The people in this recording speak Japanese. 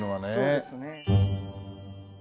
そうですね。